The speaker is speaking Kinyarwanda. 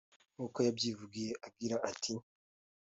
Nk’uko yabyivugiye agira ati